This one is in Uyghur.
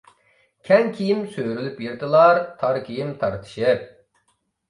كەڭ كىيىم سۆرىلىپ يىرتىلار، تار كىيىم تارتىشىپ.